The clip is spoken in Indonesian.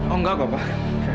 oh enggak kok pak